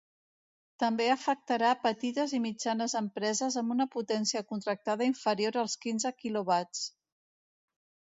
També afectarà petites i mitjanes empreses amb una potència contractada inferior als quinze quilowatts.